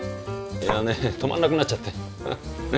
いやね止まんなくなっちゃって。